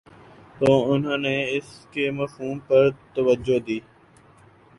تو انہوں نے اس کے مفہوم پر توجہ دی